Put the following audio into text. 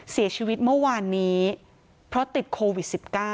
เสียชีวิตเมื่อวานนี้เพราะติดโควิด๑๙